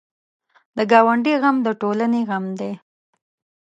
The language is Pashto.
د ګاونډي غم د ټولنې غم دی